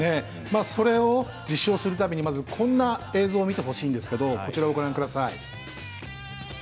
まあそれを実証するためにまずこんな映像見てほしいんですけどこちらをご覧ください。